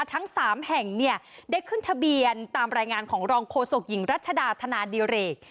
ทั้ง๓แห่งเนี่ยได้ขึ้นทะเบียนตามรายงานของรองโฆษกหญิงรัชดาธนาดิเรก